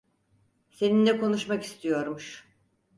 Seninle konuşmak istiyormuş.